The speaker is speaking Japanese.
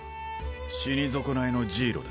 死に損ないのジイロだ。